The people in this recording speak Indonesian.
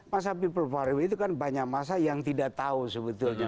masa people power itu kan banyak masa yang tidak tahu sebetulnya